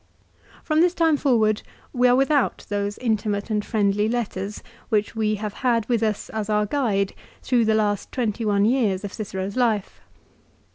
1 From this time forward we are without those intimate and friendly letters which we have had with us as our guide through the last twenty one years of Cicero's life.